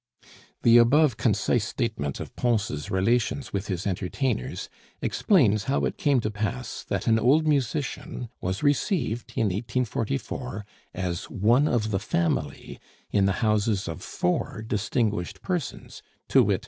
The above concise statement of Pons' relations with his entertainers explains how it came to pass that an old musician was received in 1844 as one of the family in the houses of four distinguished persons to wit, M.